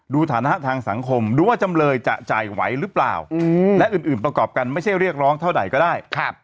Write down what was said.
ฐานะทางสังคมดูว่าจำเลยจะจ่ายไหวหรือเปล่าและอื่นประกอบกันไม่ใช่เรียกร้องเท่าใดก็ได้